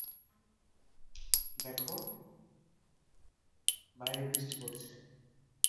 প্রকল্পটি দক্ষিণ-পশ্চিমাঞ্চলীয় মিয়ানমার এবং উত্তর-পূর্ব ভারতে পরিবহন অবকাঠামো উন্নয়নের লক্ষ্যে কাজ করছে।